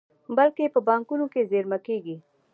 بلکې په بانکونو کې زېرمه کیږي.